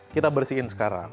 kita bersihin sekarang